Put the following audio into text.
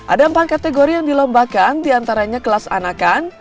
ada empat kategori yang dilombakan diantaranya kelas anakan